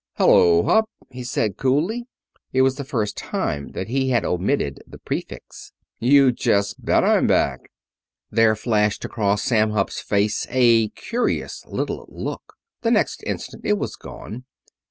"Hello, Hupp," he said, coolly. It was the first time that he had omitted the prefix. "You just bet I'm back." There flashed across Sam Hupp's face a curious little look. The next instant it was gone.